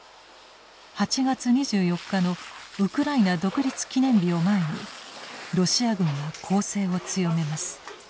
８月２４日のウクライナ独立記念日を前にロシア軍は攻勢を強めます。